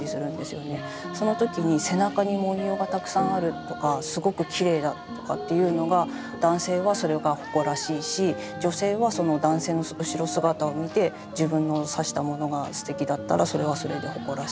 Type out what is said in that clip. その時に背中に文様がたくさんあるとかすごくきれいだとかっていうのが男性はそれが誇らしいし女性はその男性の後ろ姿を見て自分の刺したものがすてきだったらそれはそれで誇らしい。